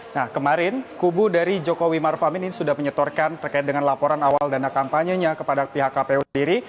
nah kemarin kubu dari jokowi maruf amin ini sudah menyetorkan terkait dengan laporan awal dana kampanye nya kepada pihak kpu sendiri